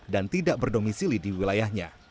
dan tidak berdomisili di wilayahnya